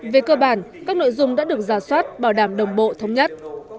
về cơ bản các nội dung đã được giả soát bảo đảm đồng bộ thống nhất